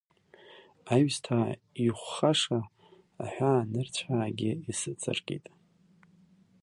Аҩсҭаа ихәхаша, аҳәаанырцәаагьы исыҵаркит.